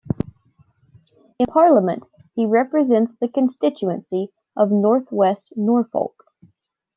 In Parliament, he represents the constituency of North West Norfolk.